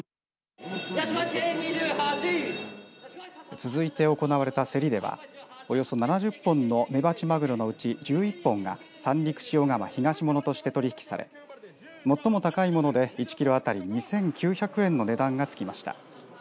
続いて行われた競りではおよそ７０本のメバチマグロのうち１１本が三陸塩竈ひがしものとして取引され最も高いもので１キロあたり２９００円の値段がつきました。